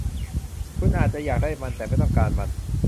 คุณอาจจะอยากได้มัน แต่ไม่ต้องการมัน